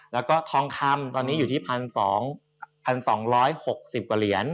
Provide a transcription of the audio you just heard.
แล้วก็ทองคำตอนนี้อยู่ที่๑๒๖๐กว่าเหรียญ